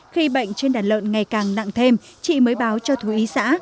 khi bệnh trên đàn lợn ngày càng nặng thêm chị mới báo cho thủy ý xã